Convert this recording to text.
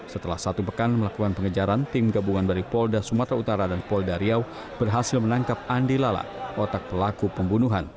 setelah satu pekan melakukan pengejaran tim gabungan dari polda sumatera utara dan polda riau berhasil menangkap andi lala otak pelaku pembunuhan